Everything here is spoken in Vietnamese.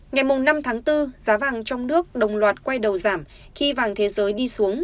ngày năm tháng bốn giá vàng trong nước đồng loạt quay đầu giảm khi vàng thế giới đi xuống